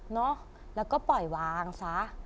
เนาะแล้วก็ปล่อยวางซะ